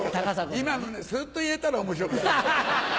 今のすっと言えたら面白かったのに。